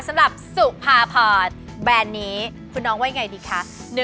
สำหรับสุพาพอร์ตแบรนด์นี้คุณน้องว่าอย่างไรดีคะ